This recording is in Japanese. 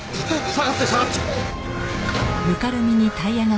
下がって下がって。